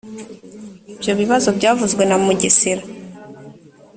ibyo bibazo byavuzwe na mugesera